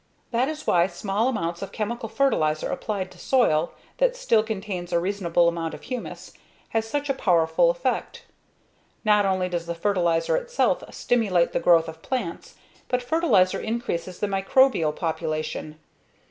That is why small amounts of chemical fertilizer applied to soil that still contains a reasonable amount of humus has such a powerful effect. Not only does the fertilizer itself stimulate the growth of plants, but fertilizer increases the microbial population.